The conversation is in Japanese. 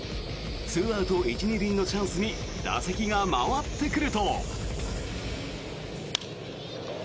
２アウト１・２塁のチャンスに打席が回ってくると。